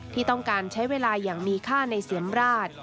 ที่ต้องการใช้เวลาอย่างมีค่าในเสียมราช